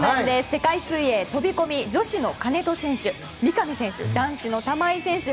世界水泳、飛込女子の金戸選手三上選手